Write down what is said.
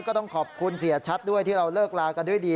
ก็ต้องขอบคุณเสียชัดด้วยที่เราเลิกลากันด้วยดี